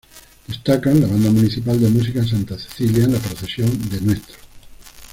Destacan la banda municipal de música Santa Cecilia en la procesión de Ntro.